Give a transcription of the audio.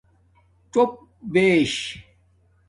څݸپ بیش